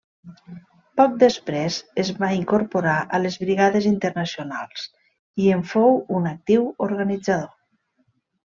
Poc després es va incorporar a les Brigades Internacionals i en fou un actiu organitzador.